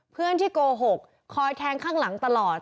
เพื่อนที่โกหกคอยแทงข้างหลังตลอด